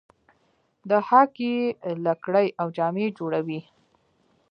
د هاکي لکړې او جامې جوړوي.